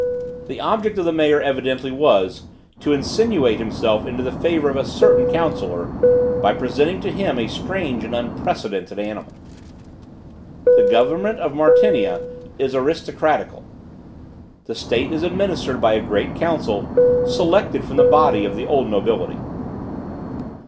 The object of the mayor evidently was, to insinuate himself into the favor of a certain counsellor, by presenting to him a strange and unprecedented animal. The government of Martinia is aristocratical. The state is administered by a great council, selected from the body of the old nobility.